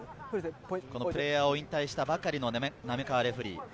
プレーヤーを引退したばかりの滑川レフェリー。